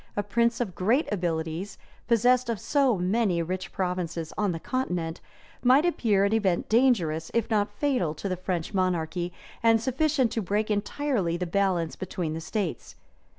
a prince of great abilities, possessed of so many rich provinces on the continent, might appear an event dangerous, if not fatal to the French monarchy, and sufficient to break entirely the balance between the states.